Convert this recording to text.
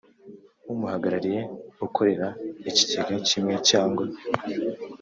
Umuhagarariye ukorera ikigega kimwe cyangwa